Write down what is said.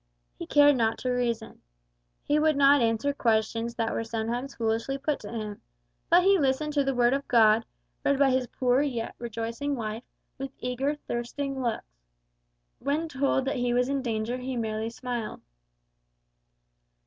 He cared not to reason. He would not answer questions that were sometimes foolishly put to him, but he listened to the Word of God, read by his poor yet rejoicing wife, with eager, thirsting looks. When told that he was in danger he merely smiled.